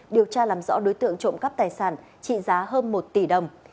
điều tra làm rõ đối tượng trộm cắp tài sản trị giá hơn một tỷ đồng